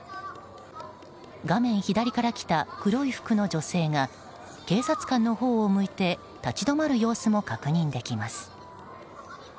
画面左から来た黒い服の女性が警察官のほうを向いて立ち止まる様子も確認できます。